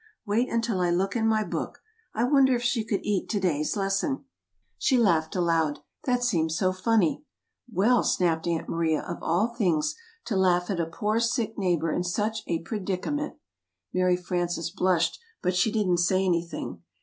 Wait until I look in my book. I wonder if she could eat to day's lesson." She laughed aloud that seemed so funny. "Well," snapped Aunt Maria, "of all things; to laugh at a poor sick neighbor in such a pre dic a ment." Mary Frances blushed, but she didn't say anything.